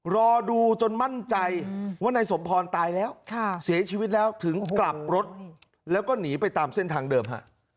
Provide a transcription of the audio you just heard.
รอดูจนมั่นใจว่านายสมพรตายแล้วเสียชีวิตแล้วถึงกลับรถแล้วก็หนีไปตามเส้นทางเดิมฮะ